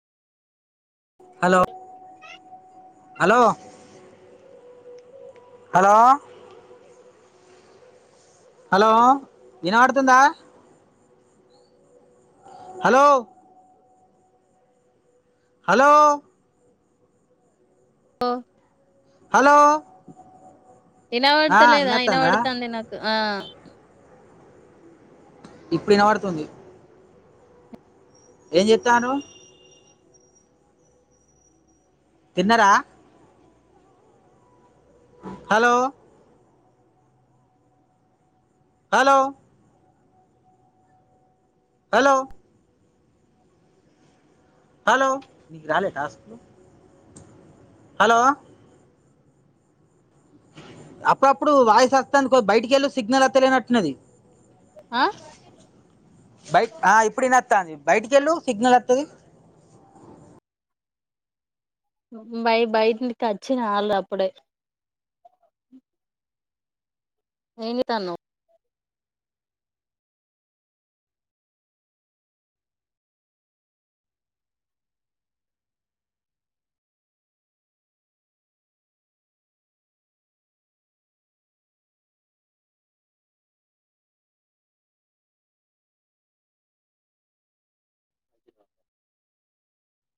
Hello hello hello hello వినపడుతుంద hello hello వో hello ఆ ఇనపడతలేదా వినత్తందా ఇనపడుతాంది నాకు ఆ ఇప్పుడు ఇనపడుతుంది. ఏం చేత్తాండ్రు తిన్నరా హలో హలో హలో హలో నీకు రాలే టాస్క్ హలో అప్పుడప్పుడు వాయిస్ వస్తుంది కోద్దిగ బయటికెళ్ళు సిగ్నల్ వస్తలేనట్టున్నది. ఆ బైట్ ఆ ఇప్పుడినాత్తాంది. బయటికి వెళ్ళు సిగ్నల్ వస్తది. బయ బయటింకిచ్చిన వాళ్ళు అప్పుడే ఏం చేత్తాన్నావ్